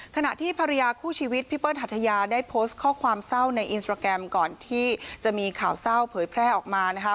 ขณะที่ภรรยาคู่ชีวิตพี่เปิ้ลหัทยาได้โพสต์ข้อความเศร้าในอินสตราแกรมก่อนที่จะมีข่าวเศร้าเผยแพร่ออกมานะคะ